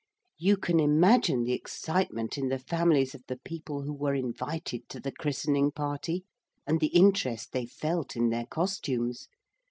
You can imagine the excitement in the families of the people who were invited to the christening party, and the interest they felt in their costumes.